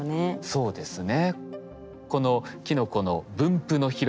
そうですね。